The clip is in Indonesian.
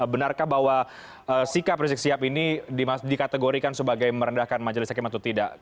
benarkah bahwa sikap risikosia ini dikategorikan sebagai merendahkan majelis hake atau tidak